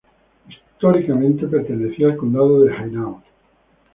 Históricamente, pertenecía al Condado de Hainaut.